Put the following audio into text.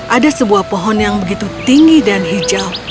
ada sebuah pohon yang begitu tinggi dan hijau